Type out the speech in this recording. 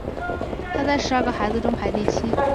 他在十二个孩子中排第七。